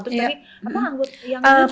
tapi apa anggota yang